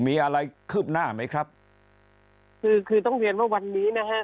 มีอะไรคืบหน้าไหมครับคือคือต้องเรียนว่าวันนี้นะฮะ